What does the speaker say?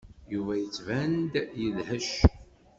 Yuba yettban-d yedhec.